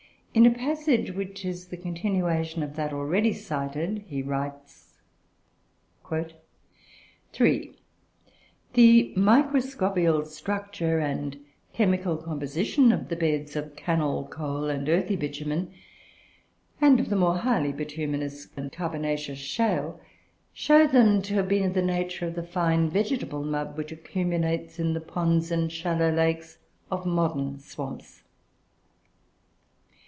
In a passage, which is the continuation of that already cited, he writes: "(3) The microscopical structure and chemical composition of the beds of cannel coal and earthy bitumen, and of the more highly bituminous and carbonaceous shale, show them to have been of the nature of the fine vegetable mud which accumulates in the ponds and shallow lakes of modern swamps.